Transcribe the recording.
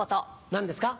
何ですか？